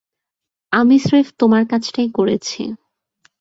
আমি স্রেফ তোমার কাজটাই করেছি।